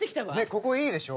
ここいいでしょ。